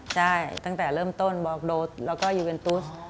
ใช่ตั้งแต่เริ่มต้นโบรกโดซแล้วก็ยูเวนทุศ